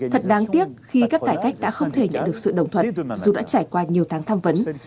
thật đáng tiếc khi các cải cách đã không thể nhận được sự đồng thuận dù đã trải qua nhiều tháng tham vấn